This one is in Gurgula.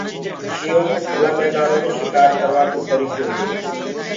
شيِنهو ڪوُ ڪُلآ ميدآنو مي شڪآر ڪروآ ڪي ڏآنهنٚ هي۔